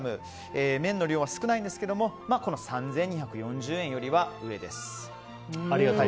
麺の量は少ないんですが３２４０円よりは上です。